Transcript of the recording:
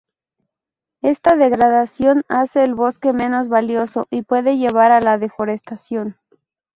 Esta degradación hace el bosque menos valioso y puede llevar a la deforestación.